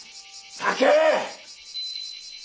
酒！